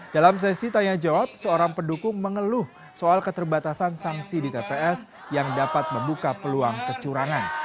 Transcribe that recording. dalam sesi tanya jawab seorang pendukung mengeluh soal keterbatasan sanksi di tps yang dapat membuka peluang kecurangan